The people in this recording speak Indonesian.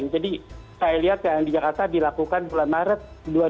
jadi saya lihat yang di jakarta dilakukan bulan maret dua ribu dua puluh satu